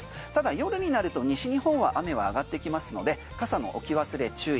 ただ夜になると西日本は雨は上がってきますので傘の置き忘れ注意。